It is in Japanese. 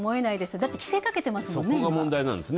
だって、規制かけてますもんね。